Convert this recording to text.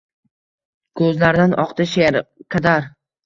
Ko’zlaridan oqdi she’r — kadar